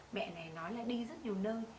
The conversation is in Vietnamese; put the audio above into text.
mẹ này nói là đi rất nhiều nơi